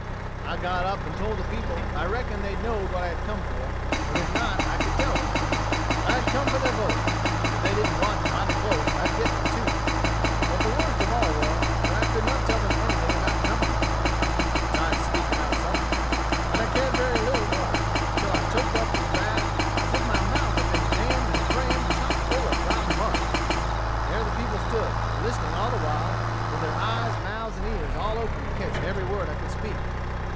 I got up and told the people I reckoned they know'd what I had come for; but if not, I could tell them. I had come for their votes, and if they didn't watch mighty close I'd get them too. But the worst of all was, that I could not tell them anything about Government. I tried to speak about something, and I cared very little what, until I choked up as bad as if my mouth had been jamm'd and cramm'd chock full of dry mush. There the people stood, listening all the while, with their eyes, mouths, and ears all open to catch every word I could speak.